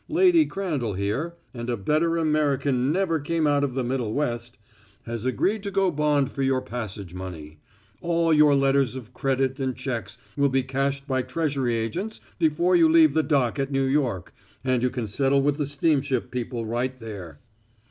Lady Crandall, here and a better American never came out of the Middle West has agreed to go bond for your passage money; all your letters of credit and checks will be cashed by treasury agents before you leave the dock at New York, and you can settle with the steamship people right there.